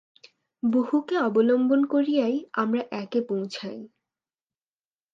বহুকে অবলম্বন করিয়াই আমরা একে পৌঁছাই।